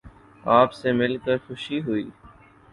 آپ سے مل کر خوشی ہوئی